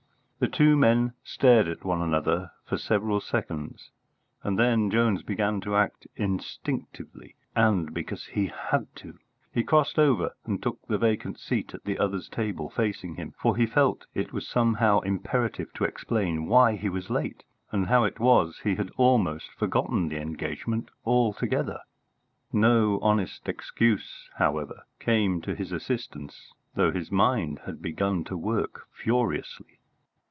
The two men stared at one another for several seconds, and then Jones began to act instinctively, and because he had to. He crossed over and took the vacant seat at the other's table, facing him; for he felt it was somehow imperative to explain why he was late, and how it was he had almost forgotten the engagement altogether. No honest excuse, however, came to his assistance, though his mind had begun to work furiously.